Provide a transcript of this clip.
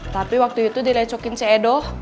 tapi waktu itu direcokin ceedoh